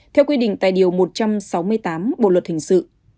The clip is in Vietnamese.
theo quy định tại điều một trăm sáu mươi tám bộ luật hình sự